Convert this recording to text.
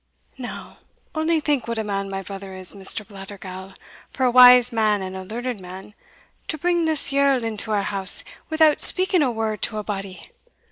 "Now, only think what a man my brother is, Mr. Blattergowl, for a wise man and a learned man, to bring this Yerl into our house without speaking a word to a body!